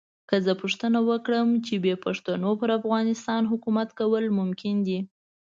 که زه پوښتنه وکړم چې بې پښتنو پر افغانستان حکومت کول ممکن دي.